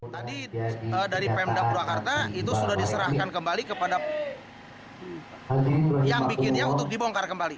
tadi dari pemda purwakarta itu sudah diserahkan kembali kepada yang bikinnya untuk dibongkar kembali